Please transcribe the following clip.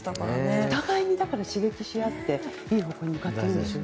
お互いに刺激しあっていい方向に向かっているんですね。